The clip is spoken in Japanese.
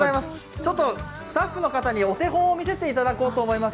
ちょっとスタッフの方にお手本を見せていただこうと思います。